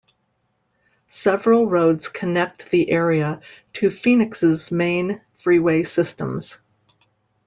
Several roads connect the area to Phoenix's main freeway systems.